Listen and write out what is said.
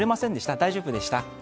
大丈夫でした？